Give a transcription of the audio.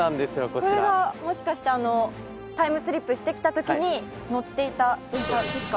こちらこれがもしかしてあのタイムスリップしてきた時に乗っていた電車ですか？